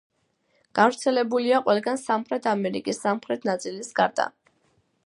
გავრცელებულია ყველგან სამხრეთ ამერიკის სამხრეთ ნაწილის გარდა.